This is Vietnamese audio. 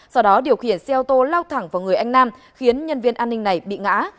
sau đó điều khiển xe ô tô lao thẳng vào người anh nam khiến nhân viên an ninh này bị ngã